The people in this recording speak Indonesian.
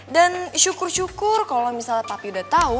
dan syukur syukur kalo misalnya papi udah tau